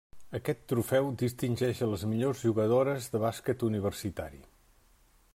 Aquest trofeu distingeix a les millors jugadores de bàsquet universitari.